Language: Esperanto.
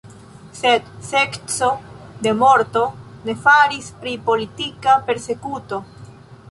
Sed sekco de morto ne faris pri politika persekuto.